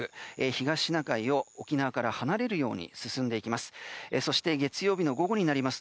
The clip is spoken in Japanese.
東シナ海を沖縄から離れるように進んでいきます。